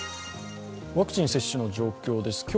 ワクチン接種の状況です。